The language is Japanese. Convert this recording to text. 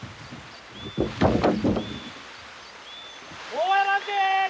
おわらせ！